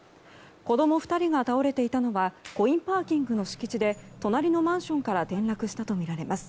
子供２人が倒れていたのはコインパーキングの敷地で隣のマンションから転落したとみられます。